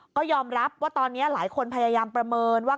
ก็ยอมรับว่าตอนนี้หลายคนพยายามประเมินว่า